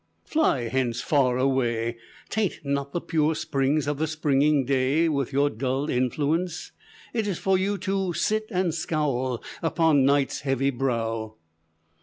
fly hence far away, Taint not the pure springs of the springing day With your dull influence; it is for you To sit and scowl upon night's heavy brow."